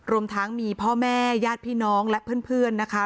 รวมทั้งมีพ่อแม่ญาติพี่น้องและเพื่อนนะคะ